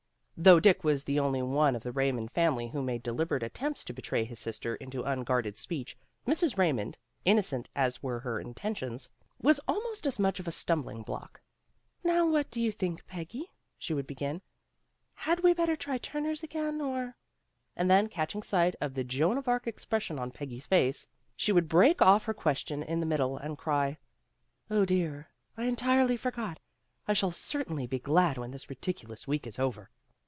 Though Dick was the only one of the Ray mond family who made deliberate attempts to betray his sister into unguarded speech, Mrs. Raymond, innocent as were her intentions, was almost as much of a stumbling block. "Now what do you think, Peggy," she would begin, "had we better try Turners again or " And then catching sight of the Joan of Arc expres sion on Peggy's face, she would break off her THE LONGEST WEEK ON RECORD 119 question in the middle, and cry, "Oh, dear, I entirely forgot ! I shall certainly be glad when this ridiculous week is over."